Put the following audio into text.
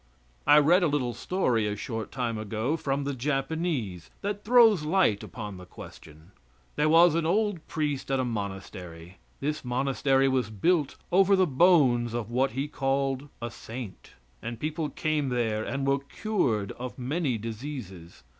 I read a little story, a short time ago, from the Japanese, that throws light upon the question. There was an old priest at a monastery. This monastery was built over the bones of what he called a saint, and people came there and were cured of many diseases.